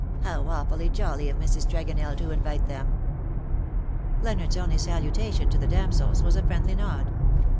'* How awfully jolly of Mrs. Tregonell to invite them/' Leonard's only salutation to the damsels was a friendly nod.